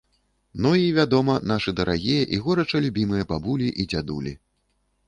Ну і, вядома, нашы дарагія і горача любімыя бабулі і дзядулі.